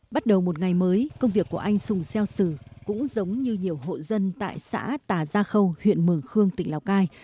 bắt đầu một ngày mới công việc của anh sùng xeo sử cũng giống như nhiều hộ dân tại xã tà gia khâu huyện mường khương tỉnh lào cai